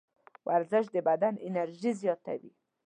ورزش د بدن انرژي زیاتوي.